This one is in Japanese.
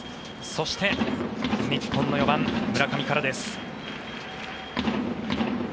そして、日本の４番村上からです。